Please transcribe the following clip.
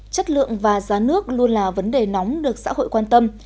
chất lượng và giá nước luôn là vấn đề nóng được xã hội quan tâm